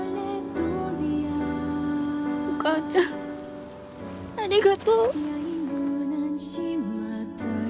お母ちゃんありがとう。